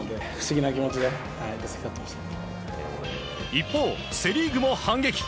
一方、セ・リーグも反撃。